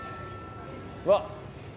うわっ！